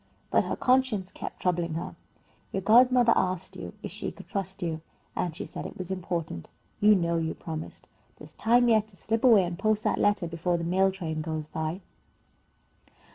But her conscience kept troubling her. "Your godmother asked if she could trust you, and she said it was important. You know you promised. There's time yet to slip away and post that letter before the mail train goes by."